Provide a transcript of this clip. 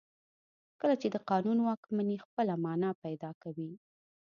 کله چې د قانون واکمني خپله معنا پیدا کوي.